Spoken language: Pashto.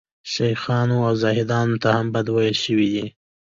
شیخانو او زاهدانو ته هم بد ویل شوي دي.